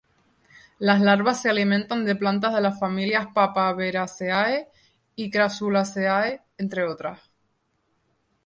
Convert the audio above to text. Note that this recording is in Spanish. Las larvas se alimentan de plantas de las familias Papaveraceae y Crassulaceae entre otras.